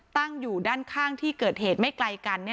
ตั้งอยู่ด้านข้างที่เกิดเหตุไม่ไกลกัน